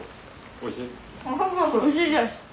おいしいです。